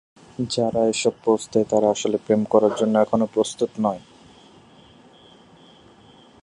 যারা এসব পোস্ট দেয় তারা আসলে প্রেম করার জন্য এখনো প্রস্তুত নয়।